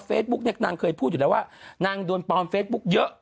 เพจบุ๊คนิดนางเคยพูดอยู่ไม่ว่านังโดนปลอมเฟจบุ๊คเหยอะ